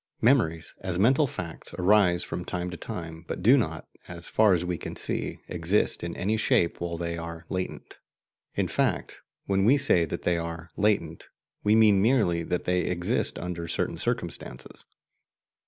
Memories, as mental facts, arise from time to time, but do not, so far as we can see, exist in any shape while they are "latent." In fact, when we say that they are "latent," we mean merely that they will exist under certain circumstances.